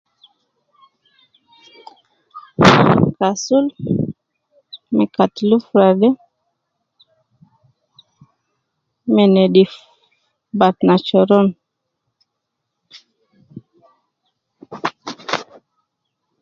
Kasul, me Kati lufra de, me nedif batna choron